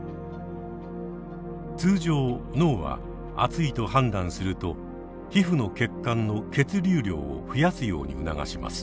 通常脳は暑いと判断すると皮膚の血管の血流量を増やすように促します。